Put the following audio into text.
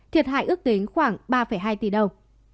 thiệt hại ước tính khoảng ba hai tỷ đồng